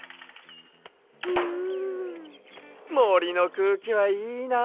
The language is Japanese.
うんもりのくうきはいいな。